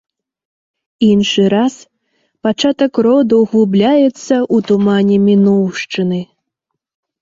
Іншы раз пачатак роду губляецца ў тумане мінуўшчыны.